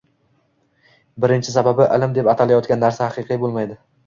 birinchi sababi ilm deb atalayotgan narsa haqiqiy bo`lmaydi